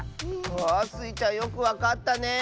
わあスイちゃんよくわかったね！